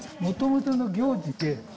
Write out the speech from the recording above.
もともとの行事で。